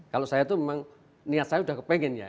kalau saya itu memang niat saya sudah kepengen ya